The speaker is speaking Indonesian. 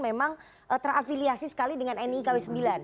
memang terafiliasi sekali dengan nikw sembilan